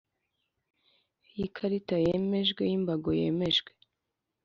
Y ikarita yemejwe y imbago yemejwe